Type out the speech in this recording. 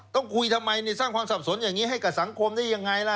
ต้องคุยทำไมสร้างความสับสนอย่างนี้ให้กับสังคมได้ยังไงล่ะ